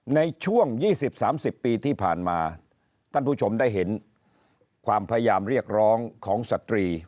ในช่วง๒๐๓๐ปีที่ผ่านมาท่านผู้ชมได้เห็นความพยายามเรียกร้องของสตรี